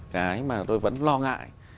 cái mà tôi vẫn lo ngại